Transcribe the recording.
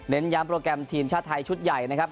ย้ำโปรแกรมทีมชาติไทยชุดใหญ่นะครับ